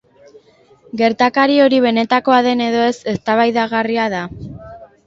Gertakari hori benetakoa den edo ez, eztabaidagarria da.